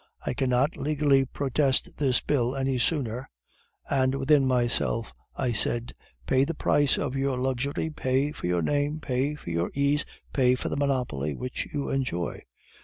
"I cannot legally protest this bill any sooner." And within myself I said "Pay the price of your luxury, pay for your name, pay for your ease, pay for the monopoly which you enjoy!